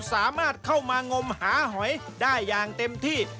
สามารถเข้ามางมหาหอยได้อย่างเต็มที่